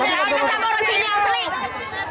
pasti satu rw ya pak